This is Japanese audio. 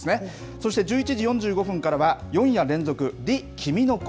そして、１１時４５分からは、４夜連続、Ｒｅ：君の声。